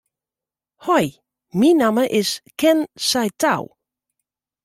Hoi, myn namme is Ken Saitou.